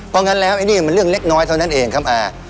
เพราะงั้นแล้วไอ้นี่มันเรื่องเล็กน้อยเท่านั้นเองครับอา